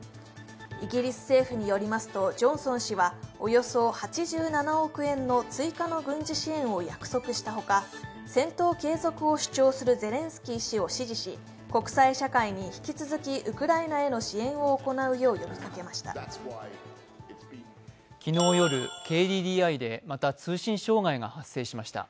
イギリス政府によりますとジョンソン氏はおよそ８７億円の追加の軍事支援を約束したほか戦闘継続を主張するゼレンスキー氏を支持し国際社会に引き続きウクライナへの支援を行うよう呼びかけました。